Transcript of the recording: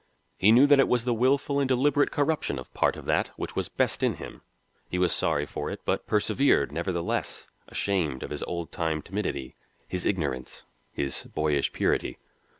He knew that it was the wilful and deliberate corruption of part of that which was best in him; he was sorry for it, but persevered, nevertheless, ashamed of his old time timidity, his ignorance, his boyish purity.